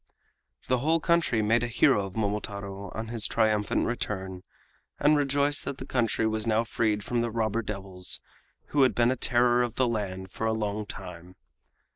The whole country made a hero of Momotaro on his triumphant return, and rejoiced that the country was now freed from the robber devils who had been a terror of the land for a long time.